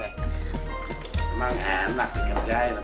emang enak dikerjain